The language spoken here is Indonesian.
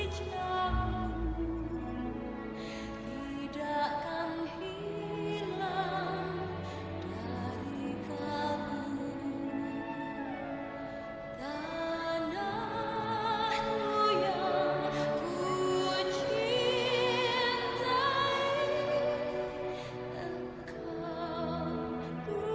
kembali dan berikan hal yang video